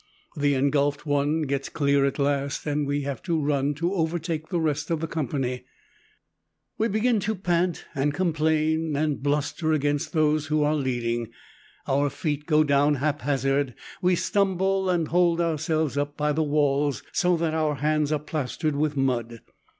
The engulfed one gets clear at last, and we have to run to overtake the rest of the company. We begin to pant and complain, and bluster against those who are leading. Our feet go down haphazard; we stumble and hold ourselves up by the walls, so that our hands are plastered with mud.